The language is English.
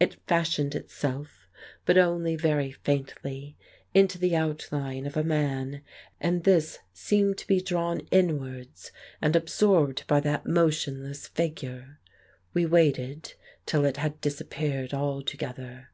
It fashioned itself, but only very faintly, into the outline of a man, and this seemed to be drawn l 169 The Case of Frank Hampden inwards and absorbed by that motionless figure. We waited till it had disappeared altogether.